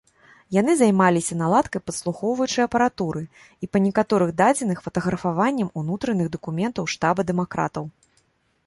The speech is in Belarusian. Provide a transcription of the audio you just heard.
Яны займаліся наладкай падслухоўваючай апаратуры і, па некаторых дадзеных, фатаграфаваннем унутраных дакументаў штаба дэмакратаў.